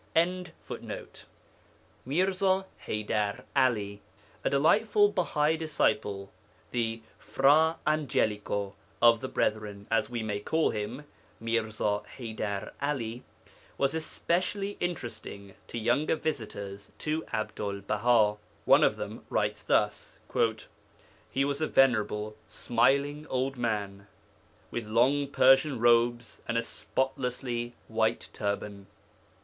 ] MIRZA HAYDAR 'ALI A delightful Bahai disciple the Fra Angelico of the brethren, as we may call him, Mirza Haydar 'Ali was especially interesting to younger visitors to Abdul Baha. One of them writes thus: 'He was a venerable, smiling old man, with long Persian robes and a spotlessly white turban.